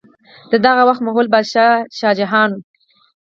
د دغه وخت مغل بادشاه شاه جهان